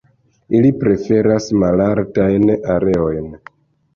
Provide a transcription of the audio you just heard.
Ili preferas malaltajn areojn.